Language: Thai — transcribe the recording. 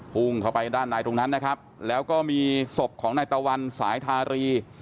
พุ่งเข้าไปด้านในตรงนั้นนะครับแล้วก็มีศพของนายตะวันสายทารี